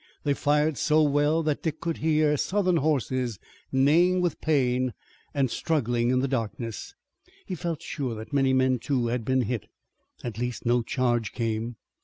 They fired so well that Dick could hear Southern horses neighing with pain, and struggling in the darkness. He felt sure that many men, too, had been hit. At least no charge came.